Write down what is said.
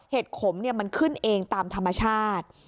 เห็ดขมเนี่ยมันขึ้นเองตามธรรมชาติ